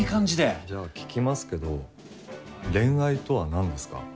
じゃあ聞きますけど恋愛とは何ですか？